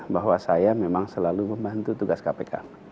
bahwa saya memang selalu membantu tugas kpk